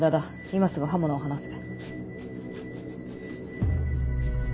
今すぐ刃物を離せ。